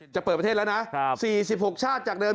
จะเปิดประเทศแล้วนะ๔๖ชาติจากเดิม